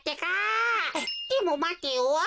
でもまてよ。